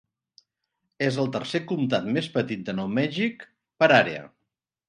És el tercer comtat més petit de Nou Mèxic per àrea.